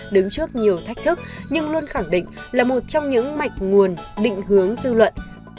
đứng trước nhiều thách thức nhưng luôn khẳng định là một trong những mạch nguồn định hướng dư luận